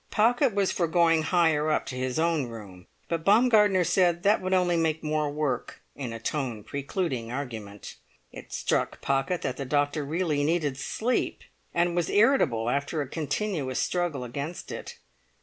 Pocket was for going higher up to his own room; but Baumgartner said that would only make more work, in a tone precluding argument. It struck Pocket that the doctor really needed sleep, and was irritable after a continuous struggle against it.